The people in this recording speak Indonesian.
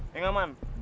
ya gak man